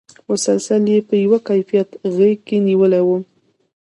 مسلسل یې په یوه کیفیت غېږ کې نېولی وم.